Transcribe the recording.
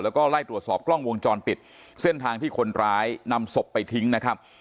แล้วก็ไล่ตรวจสอบกล้องวงจรปิดเส้นทางที่คนร้ายนำศพไปทิ้งนะครับ